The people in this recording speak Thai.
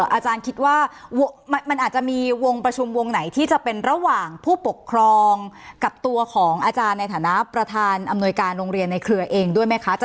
อาจารย์คิดว่ามันอาจจะมีวงประชุมวงไหนที่จะเป็นระหว่างผู้ปกครองกับตัวของอาจารย์ในฐานะประธานอำนวยการโรงเรียนในเครือเองด้วยไหมคะ